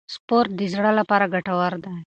سپورت د زړه لپاره ګټور دی.